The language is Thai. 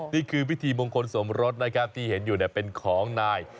นี่คือพิธีมงคลสมรสนะครับที่เห็นอยู่เป็นของนาย